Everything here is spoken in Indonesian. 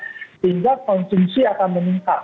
sehingga konsumsi akan meningkat